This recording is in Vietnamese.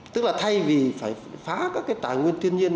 tức là thay vì phải phá các cái tài nguyên thiên nhiên